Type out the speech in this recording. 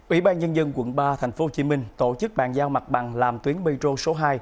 ủy ban nhân dân quận ba tp hcm tổ chức bàn giao mặt bằng làm tuyến bê trô số hai